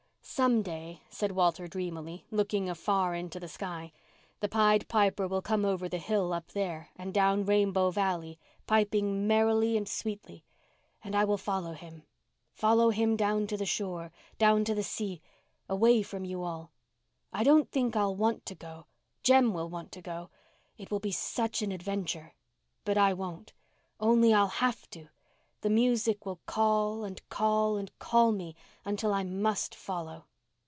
"Some day," said Walter dreamily, looking afar into the sky, "the Pied Piper will come over the hill up there and down Rainbow Valley, piping merrily and sweetly. And I will follow him—follow him down to the shore—down to the sea—away from you all. I don't think I'll want to go—Jem will want to go—it will be such an adventure—but I won't. Only I'll have to—the music will call and call and call me until I must follow."